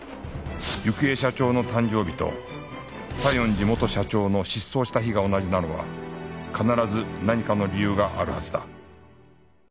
幸恵社長の誕生日と西園寺元社長の失踪した日が同じなのは必ず何かの理由があるはずだ